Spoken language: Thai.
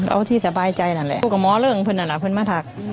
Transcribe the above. เอาที่สบายใจนั่นเองตกเมาะเรือนค่ะเพื่อนมาถัก